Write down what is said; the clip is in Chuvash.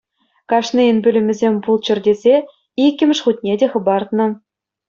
Кашнийӗн пӳлӗмсем пулччӑр тесе иккӗмӗш хутне те хӑпартнӑ.